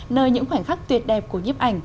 nơi những khoảnh khắc tuyệt đẹp của nhếp ảnh